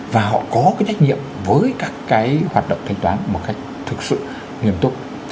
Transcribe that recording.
và họ có cái trách nhiệm với các cái hoạt động thanh toán một cách thực sự nghiêm túc